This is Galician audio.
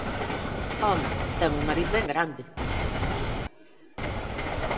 Home, ten o nariz ben grande.